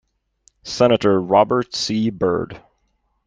Senator Robert C. Byrd.